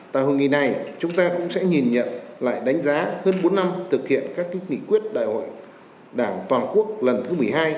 tại hội nghị này chúng ta cũng sẽ nhìn nhận lại đánh giá hơn bốn năm thực hiện các nghị quyết đại hội đảng toàn quốc lần thứ một mươi hai